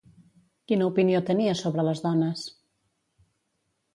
Quina opinió tenia sobre les dones?